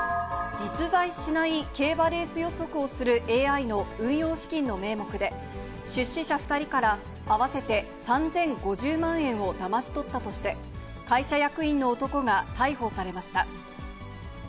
実在しない競馬レース予測をするＡＩの運用資金の名目で、出資者２人から合わせて３０５０万円をだまし取ったとして、会社役員の男が逮捕されました。